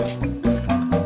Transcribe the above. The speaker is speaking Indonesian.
alia gak ada ajak rapat